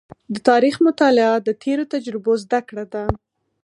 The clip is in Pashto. د تاریخ مطالعه د تېرو تجربو زده کړه ده.